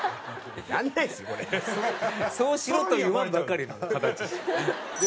そうしろといわんばかりの形してる。